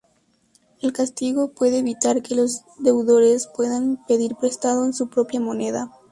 El castigo puede evitar que los deudores puedan pedir prestado en su propia moneda.